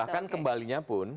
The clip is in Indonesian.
bahkan kembalinya pun